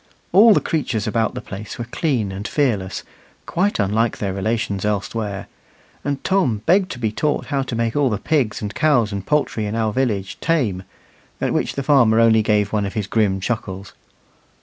All the creatures about the place were clean and fearless, quite unlike their relations elsewhere; and Tom begged to be taught how to make all the pigs and cows and poultry in our village tame, at which the farmer only gave one of his grim chuckles.